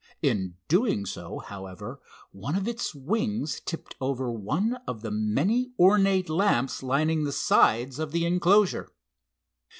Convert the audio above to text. In doing so, however, one of its wings tipped over one of the many ornate lamps lining the sides of the enclosure.